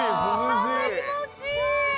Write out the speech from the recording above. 風気持ちいい。